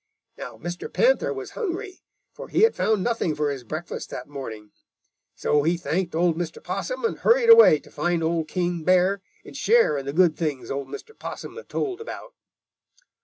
"Now, Mr. Panther was hungry, for he had found nothing for his breakfast that morning. So he thanked old Mr. Possum and hurried away to find Old King Bear and share in the good things old Mr. Possum had told about.